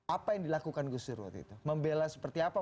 apa yang dilakukan gus dur waktu itu membela seperti apa